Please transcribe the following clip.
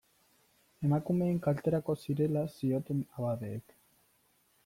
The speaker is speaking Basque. Emakumeen kalterako zirela zioten abadeek.